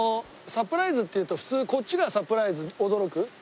サプライズっていうと普通こっちがサプライズ驚く。